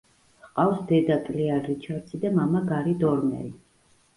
ჰყავს დედა-კლეარ რიჩარდსი და მამა-გარი დორმერი.